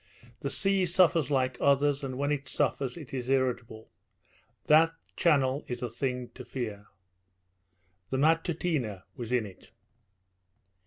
The sea suffers like others, and when it suffers it is irritable. That channel is a thing to fear. The Matutina was in it.